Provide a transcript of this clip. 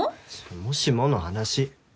もしもの話。